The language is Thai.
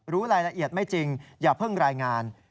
รู้รายละเอียดไม่จริงอย่าเพิ่งรายงาน